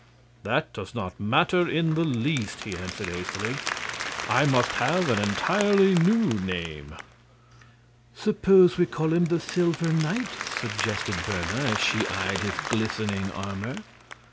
"That does not matter in the least," he answered, hastily. "I must have an entirely new name." "Suppose we call him the Silver Knight," suggested Berna, as she eyed his glistening armor.